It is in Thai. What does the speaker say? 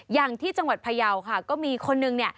อย่างที่จังหวัดพยาวค่ะก็มีคนนึงเนี่ย